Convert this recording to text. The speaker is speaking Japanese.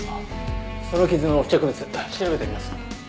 その傷の付着物調べてみます。